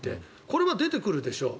これは出てくるでしょう。